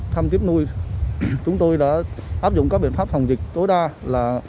thăm tiếp nuôi chúng tôi đã áp dụng các biện pháp phòng dịch tối đa là